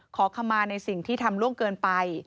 ขอขมาในสิ่งที่ทำล่วงเกินไป